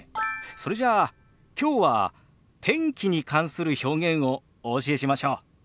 それじゃあきょうは天気に関する表現をお教えしましょう。